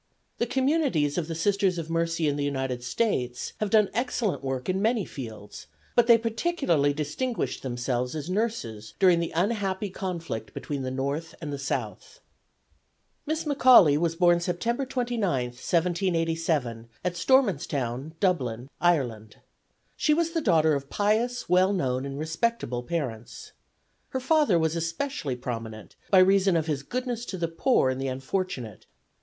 The communities of the Sisters of Mercy in the United States have done excellent work in many fields, but they particularly distinguished themselves as nurses during the unhappy conflict between the North and the South. Miss McAuley was born September 29, 1787, at Stormanstown, Dublin, Ireland. She was the daughter of pious, well known and respectable parents. Her father was especially prominent by reason of his goodness to the poor and the unfortunate.